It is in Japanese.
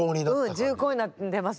うん重厚になってますね。